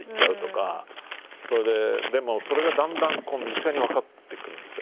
それででもそれがだんだん身近に分かってくるんですよ。